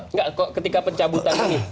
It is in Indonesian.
enggak kok ketika pencabutan ini